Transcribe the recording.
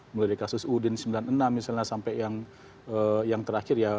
mulai dari kasus udin sembilan puluh enam misalnya sampai yang terakhir ya